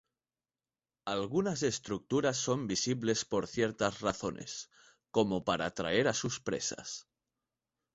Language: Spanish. Algunas estructuras son visibles por ciertas razones, como para atraer a sus presas.